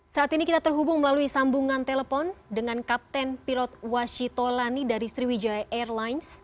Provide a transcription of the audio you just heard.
saat ini kita terhubung melalui sambungan telepon dengan kapten pilot washitolani dari sriwijaya airlines